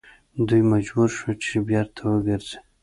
دوی مجبور شول چې بیرته وګرځي.